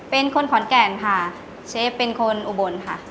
เป็นคนขอนแก่นค่ะเชฟเป็นคนอุบลค่ะ